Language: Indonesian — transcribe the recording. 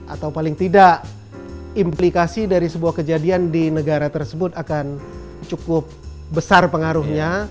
atau paling tidak implikasi dari sebuah kejadian di negara tersebut akan cukup besar pengaruhnya